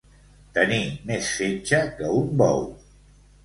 Tenir més fetge que un bou.